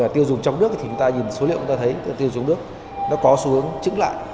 tiêu dùng trong nước thì chúng ta nhìn số liệu chúng ta thấy tiêu dùng nước nó có xu hướng chứng lại